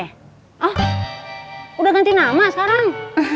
oh udah ganti nama sekarang